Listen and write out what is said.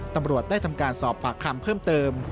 ตำรวจได้ทำการสอบปากคำเพิ่มเติม